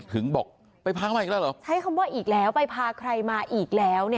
ถึงบอกไปพามาอีกแล้วเหรอใช้คำว่าอีกแล้วไปพาใครมาอีกแล้ว